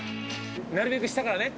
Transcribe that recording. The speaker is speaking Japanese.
なるべく下からね。